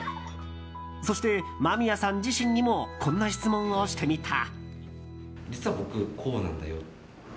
そして、間宮さん自身にもこんな質問をしてみた。